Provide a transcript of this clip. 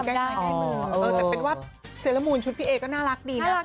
ได้มือแต่เป็นว่าเซลมูลชุดพี่เอก็น่ารักดีนะ